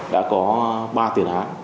đã có ba tiền án